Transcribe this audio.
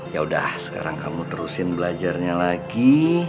ya udah sekarang kamu terusin belajarnya lagi